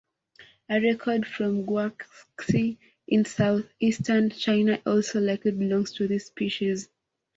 A record from Guangxi in southeastern China also likely belongs to this species.